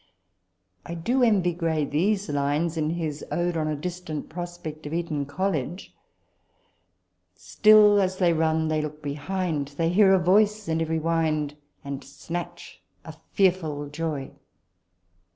I do envy Gray these lines in his " Ode on a distant prospect of Eton College ":" Still as they run, they look behind, They hear a voice in every wind, And snatch a fearful joy."